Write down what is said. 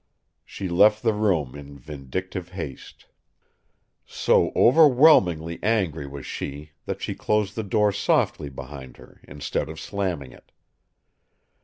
She left the room in vindictive haste. So overwhelmingly angry was she that she closed the door softly behind her, instead of slamming it.